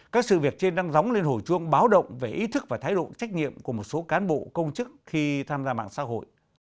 các sự việc trên đang dóng lên hồi chuông báo động về ý thức và thái độ trách nhiệm của một số cán bộ công chức khi tham gia mạng xã hội